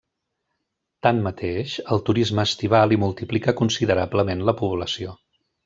Tanmateix, el turisme estival hi multiplica considerablement la població.